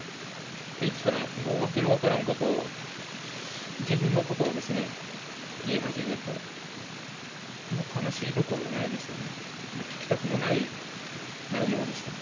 って言ったら、もう訳の分からんことを、自分のことをですね、言い始めて、もう悲しいどころじゃないですよね、聞きたくもない内容でした。